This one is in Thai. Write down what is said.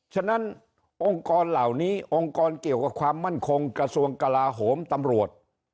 ฉะนั้นองค์กรเหล่านี้องค์กรเกี่ยวกับความมั่นคงกระทรวงกลาโหมตำรวจ